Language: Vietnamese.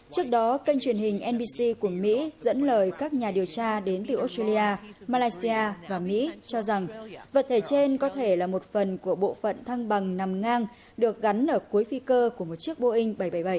trước đó kênh truyền hình nbc của mỹ dẫn lời các nhà điều tra đến từ australia malaysia và mỹ cho rằng vật thể trên có thể là một phần của bộ phận thăng bằng nằm ngang được gắn ở cuối phi cơ của một chiếc boeing bảy trăm bảy mươi bảy